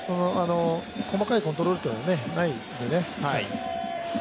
細かいコントロールはないんでね。